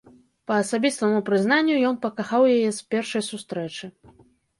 Па асабістаму прызнанню, ён пакахаў яе з першай сустрэчы.